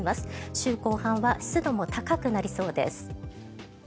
週後半は湿度も高くなりそうです。